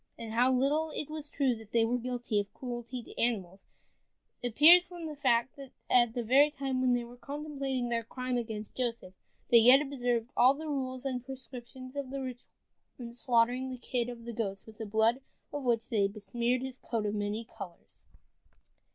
And how little it was true that they were guilty of cruelty to animals, appears from the fact that at the very time when they were contemplating their crime against Joseph, they yet observed all the rules and prescriptions of the ritual in slaughtering the kid of the goats with the blood of which they besmeared his coat of many colors.